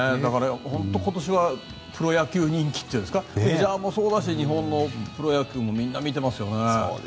本当、今年はプロ野球人気というんですかメジャーもそうだし日本のプロ野球もみんな見てますよね。